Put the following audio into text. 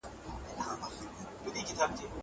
کېدای سي مرسته ناکامه وي!